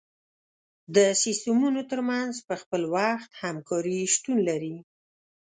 د سیستمونو تر منځ په خپل وخت همکاري شتون اړین دی.